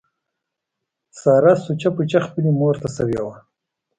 ساره سوچه پوچه خپلې مورته شوې ده.